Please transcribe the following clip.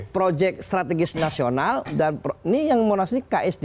proyek strategis nasional dan ini yang munas ini ksd